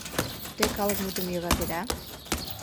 Те калыкмутым йӧратеда?